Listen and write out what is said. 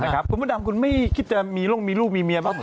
คุณพุทธธรรมคุณไม่คิดจะมีลูกมีเมียบ้างเหรอ